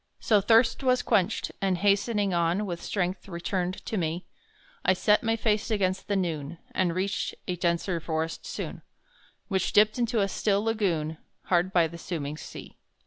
So thirst was quenched, and hastening on With strength returned to me, I set my face against the noon, And reached a denser forest soon; Which dipped into a still lagoon Hard by the sooming sea.